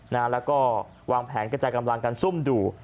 แล้วก็วางแผนกระจายกำลังกันซุ่มดู